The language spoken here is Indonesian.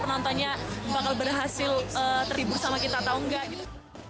penontonnya bakal berhasil tertibur sama kita atau nggak gitu